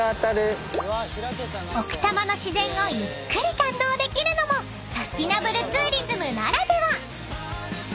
［奥多摩の自然をゆっくり堪能できるのもサスティナブルツーリズムならでは］